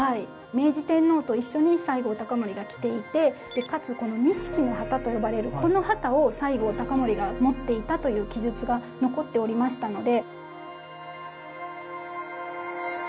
明治天皇と一緒に西郷隆盛が来ていてかつこの錦の旗と呼ばれるこの旗を西郷隆盛が持っていたという記述が残っておりましたので。